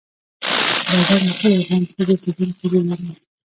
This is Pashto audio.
بادام د ټولو افغان ښځو په ژوند کې رول لري.